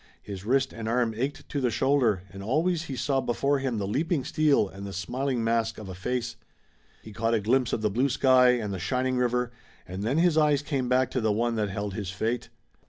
His wrist and arm ached to the shoulder, and always he saw before him the leaping steel and the smiling mask of a face. He caught a glimpse of the blue sky and the shining river, and then his eyes came back to the one that held his fate.